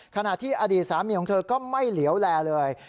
ขณะที่อดีตสามีของเธอก็ไม่เหลียวแลเลย